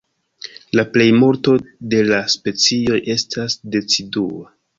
La plejmulto de la specioj estas decidua.